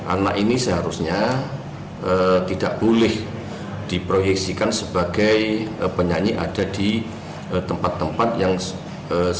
anak ini seharusnya tidak boleh diproyeksikan sebagai penyanyi ada di tempat tempat yang berbeda